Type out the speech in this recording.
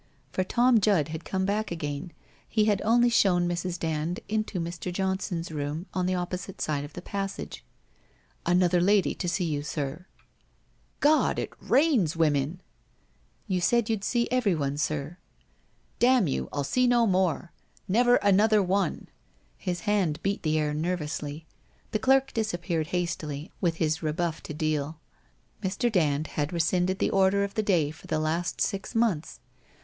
For Tom Judd had come back again, ne had only shown Mrs. Dand into Mr. Johnson's room on the oppo site ide of the passage. 'Another lady to see you, sir.' 426 WHITE ROSE OF WEARY LEAF ' God, it rains women !'* You said you'd see everyone, sir/ ' Damn you, I'll see no more ! Never another one/ His hand beat the air, nervously. The clerk disappeared hastily, with his rebuff to deal. Mr. Dand had rescinded the order of the day for the last six months.